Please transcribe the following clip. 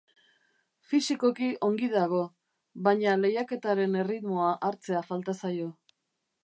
Fisikoki ongi dago, baina lehiaketaren erritmoa hartzea falta zaio.